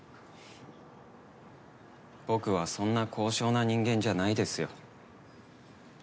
僕はそんな高尚な人間じゃないですよ。